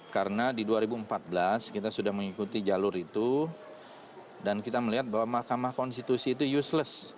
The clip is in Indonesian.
karena di dua ribu empat belas kita sudah mengikuti jalur itu dan kita melihat bahwa mahkamah konstitusi itu useless